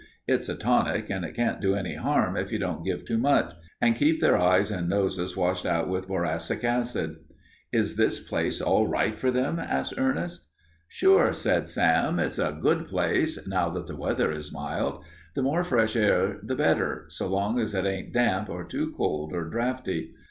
It's a tonic and it can't do any harm if you don't give too much. And keep their eyes and noses washed out with boracic acid." "Is this place all right for them?" asked Ernest. "Sure," said Sam. "It's a good place, now that the weather is mild. The more fresh air the better, so long as it ain't damp or too cold or draughty.